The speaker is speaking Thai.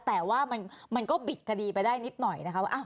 แต่ว่ามันก็บิดคดีไปได้นิดหน่อยนะคะว่า